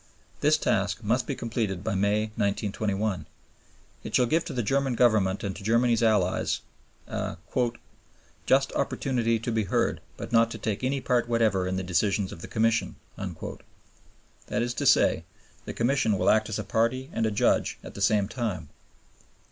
This task must be completed by May, 1921. It shall give to the German Government and to Germany's allies "a just opportunity to be heard, but not to take any part whatever in the decisions of the Commission." That is to say, the Commission will act as a party and a judge at the same time.